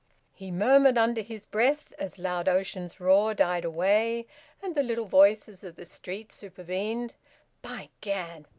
He murmured under his breath, as "Loud Ocean's Roar" died away and the little voices of the street supervened: "By Gad!